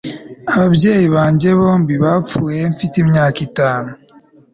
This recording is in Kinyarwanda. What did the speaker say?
Ababyeyi banjye bombi bapfuye mfite imyaka itanu